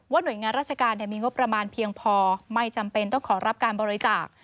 หน่วยงานราชการมีงบประมาณเพียงพอไม่จำเป็นต้องขอรับการบริจาค